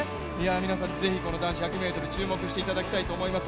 皆さん是非、この男子１００ｍ注目していただきたいと思います。